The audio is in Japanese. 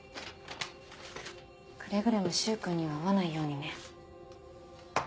くれぐれも柊君には会わないようにね。